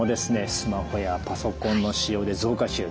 スマホやパソコンの使用で増加中ドライアイ。